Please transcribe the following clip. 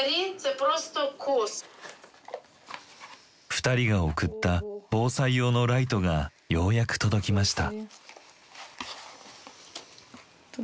２人が送った防災用のライトがようやく届きました。